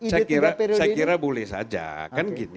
saya kira boleh saja kan gini